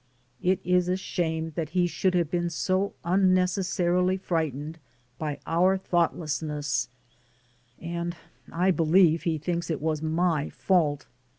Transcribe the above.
It is a shame that he should have been so unnecessarily frightened by our thoughtlessness, and I believe he thinks it was my fault.